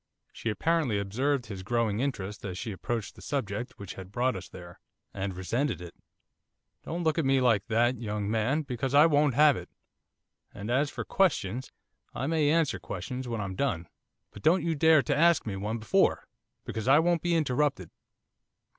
She apparently observed his growing interest as she approached the subject which had brought us there, and resented it. 'Don't look at me like that, young man, because I won't have it. And as for questions, I may answer questions when I'm done, but don't you dare to ask me one before, because I won't be interrupted.